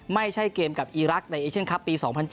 ไม่ใช่เกมกับอีรักษ์ในเอเชียนคลับปี๒๐๐๗